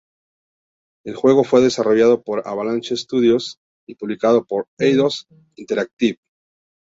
El juego fue desarrollado por Avalanche Studios y publicado por Eidos Interactive.